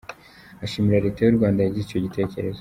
Ashimira Leta y’u Rwanda yagize icyo gitekerezo.